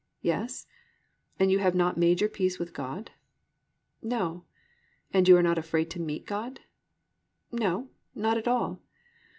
"Yes." "And you have not made your peace with God?" "No." "And you are not afraid to meet God?" "No, not at all."